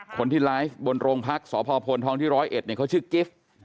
คนที่ร้ายบนโรงพักษ์สพท้องที่๑๐๑เนี่ยเขาชื่อกิฟต์